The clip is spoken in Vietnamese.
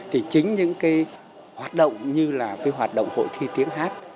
thì chính những cái hoạt động như là cái hoạt động hội thi tiếng hát